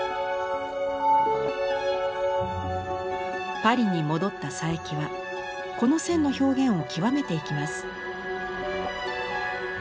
パリに戻った佐伯はこの線の表現を極めていきます。